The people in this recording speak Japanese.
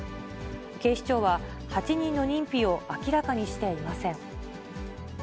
警視庁は、８人の認否を明らかにしていません。